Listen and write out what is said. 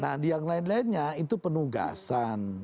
nah di yang lain lainnya itu penugasan